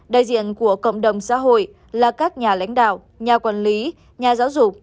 đại diện của cộng đồng xã hội là các nhà lãnh đạo nhà quản lý nhà giáo dục